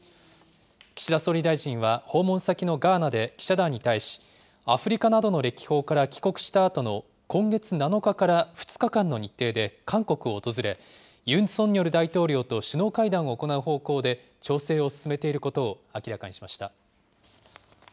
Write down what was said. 岸田総理大臣は、訪問先のガーナで記者団に対し、アフリカなどの歴訪から帰国したあとの今月７日から２日間の日程で韓国を訪れ、ユン・ソンニョル大統領と首脳会談を行う方向で調整を進めていることを明らかにしました。